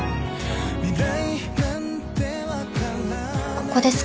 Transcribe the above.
ここですか？